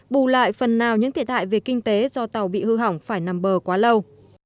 bù lại phần nào những thiệt hại về kinh tế do tàu bị hư hỏng phải nằm bờ quá lâu